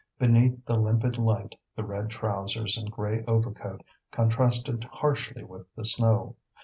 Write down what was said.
Beneath the limpid light the red trousers and grey overcoat contrasted harshly with the snow.